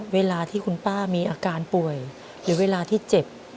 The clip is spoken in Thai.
เวลาที่คุณป้ามีอาการป่วยหรือเวลาที่เจ็บ